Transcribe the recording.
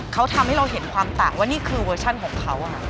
เขาทำให้เราเห็นความต่างว่านี่คือเวอร์ชันของเขา